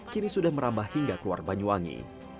kini sudah merambah hingga keluar banyuwangi